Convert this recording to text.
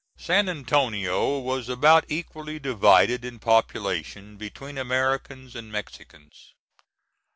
San Antonio was about equally divided in population between Americans and Mexicans.